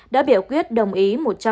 đã biểu quyết đồng ý một trăm linh